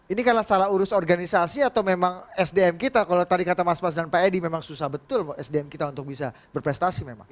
ini karena salah urus organisasi atau memang sdm kita kalau tadi kata mas bas dan pak edi memang susah betul sdm kita untuk bisa berprestasi memang